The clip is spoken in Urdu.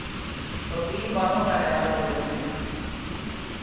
تو تین باتوں کا لحاظ ضروری ہے۔